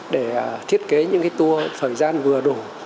để thiết kế những cái tour thời gian vừa đủ